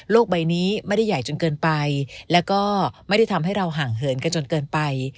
ใบนี้ไม่ได้ใหญ่จนเกินไปแล้วก็ไม่ได้ทำให้เราห่างเหินกันจนเกินไป